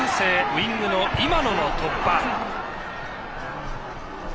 ウイングの今野の突破。